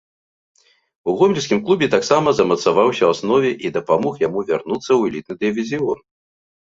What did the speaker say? У гомельскім клубе таксама замацаваўся ў аснове і дапамог яму вярнуцца ў элітны дывізіён.